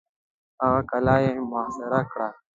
هغه قلا یې محاصره کړه.